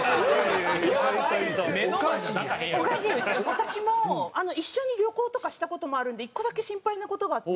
私も一緒に旅行とかした事もあるんで１個だけ心配な事があって。